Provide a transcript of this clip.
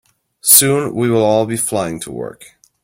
Soon, we will all be flying to work.